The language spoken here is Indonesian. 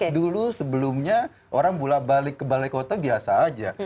dulu sebelumnya orang bolak balik ke balai kota biasa aja